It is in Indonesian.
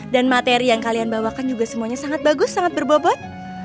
dan materi yang kalian bawakan juga semuanya sangat bagus sangat berbobot